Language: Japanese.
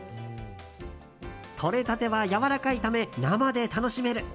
とれたてはやわらかいため生で楽しめる。